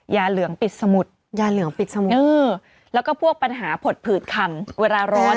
ยาเหลืองปิดสมุดเออแล้วก็พวกปัญหาผดผืดคำเวลาร้อน